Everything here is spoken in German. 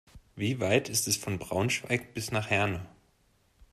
Wie weit ist es von Braunschweig bis nach Herne?